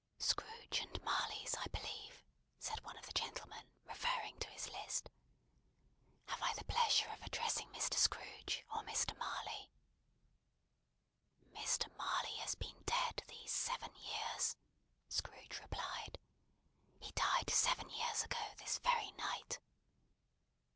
"Scrooge and Marley's, I believe," said one of the gentlemen, referring to his list. "Have I the pleasure of addressing Mr. Scrooge, or Mr. Marley?" "Mr. Marley has been dead these seven years," Scrooge replied. "He died seven years ago, this very night."